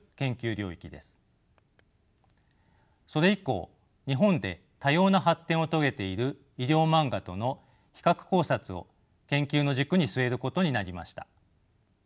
それ以降日本で多様な発展を遂げている医療マンガとの比較考察を研究の軸に据えることになりました。